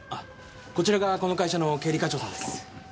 こちらがこの会社の経理課長さんです。